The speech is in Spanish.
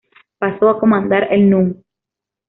Pasó a comandar el Núm.